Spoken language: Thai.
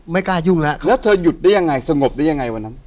ไม่กล้ายุ่งแล้วแล้วเธอหยุดได้ยังไงสงบได้ยังไงวันนั้น